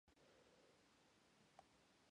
The official result of the match was deemed a draw.